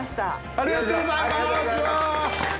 ありがとうございますうわ！